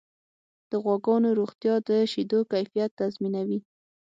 د غواګانو روغتیا د شیدو کیفیت تضمینوي.